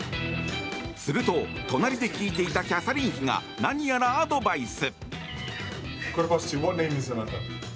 すると、隣で聞いていたキャサリン妃が何やらアドバイス。